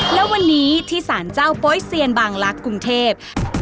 และวันนี้ที่สารเจ้าโป๊ยเซียนบางลักษณ์กรุงเทพ